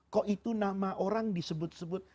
kok itu nama orang disebut sebut